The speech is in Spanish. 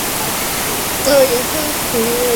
Finalmente llegaron a la mina donde serían ejecutados.